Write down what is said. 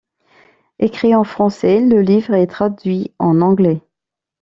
Ecrit en français, le livre est traduit en anglais.